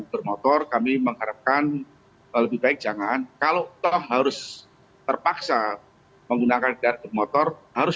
bermotor kami mengharapkan lebih baik jangan kalau toh harus terpaksa menggunakan motor harus